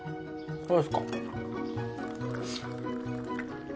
そうですか。